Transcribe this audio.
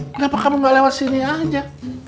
kenapa kamu gak lewat sini aja